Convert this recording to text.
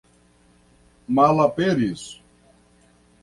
malaperis